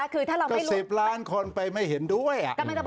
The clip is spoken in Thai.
ก็๑๐ล้านคนไปไม่เห็นด้วย